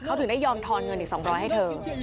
เขาถึงได้ยอมทอนเงินอีก๒๐๐ให้เธอ